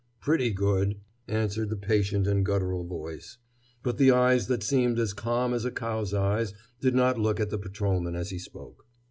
"Pretty good," answered the patient and guttural voice. But the eyes that seemed as calm as a cow's eyes did not look at the patrolman as he spoke.